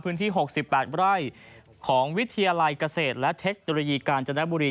พื้นที่๖๘วร่ายของวิทยาลัยเกษตรและเทคตรียีการจนบุรี